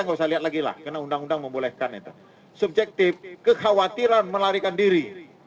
nggak usah lihat lagi lah karena undang undang membolehkan itu subjektif kekhawatiran melarikan diri